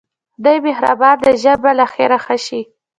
خدای مهربان دی ژر به له خیره ښه شې.